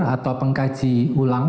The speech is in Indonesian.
atau pengkaji ulang